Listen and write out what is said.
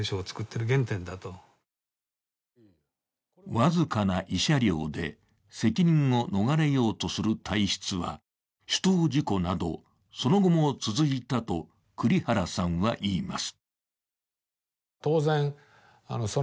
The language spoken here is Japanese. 僅かな慰謝料で責任を逃れようとする体質は種痘事故などその後も続いたと栗原さんは言います。